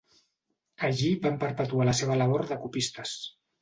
Allí van perpetuar la seva labor de copistes.